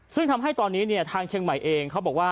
ซึ่งทำให้ตอนนี้เนี่ยทางเชียงใหม่เองเขาบอกว่า